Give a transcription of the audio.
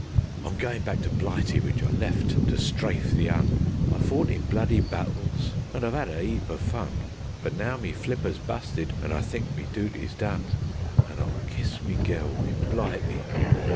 I'm goin' back to Blighty, which I left to strafe the 'Un; I've fought in bloody battles, and I've 'ad a 'eap of fun; But now me flipper's busted, and I think me dooty's done, And I'll kiss me gel in Blighty in the mawnin'.